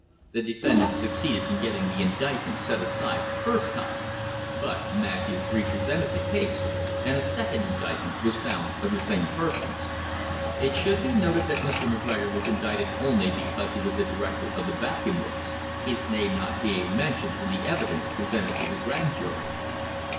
The defendants succeeded in getting the indictment set aside the first time, but Matthews re presented the case, and a second indictment was found of the same persons. It should be noted that Mr. McGregor was indicted only because he was a director of the Vacuum Works, his name not being mentioned in the evidence presented to the Grand Jury.